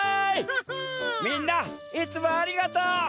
みんないつもありがとう。